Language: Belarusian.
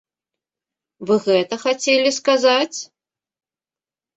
Вы гэта хацелі сказаць?